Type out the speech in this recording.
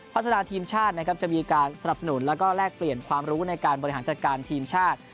พัฒนาทีมชาตินะครับจะมีการสนับสนุนแล้วก็แลกเปลี่ยนความรู้ในการบริหารจัดการทีมชาติ